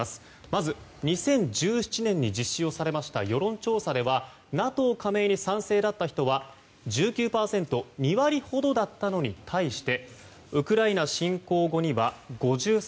まず、２０１７年に実施をされました世論調査ではＮＡＴＯ加盟に賛成だった人は１９％２割ほどだったのに対してウクライナ侵攻後には５３％。